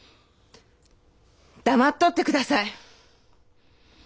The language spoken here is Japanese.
黙っとってください。